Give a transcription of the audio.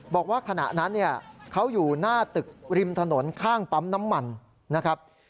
บอกว่าขณะนั้นเนี่ยเขาอยู่หน้าตึกริมถนนข้างปั๊มน้ำมันนะครับ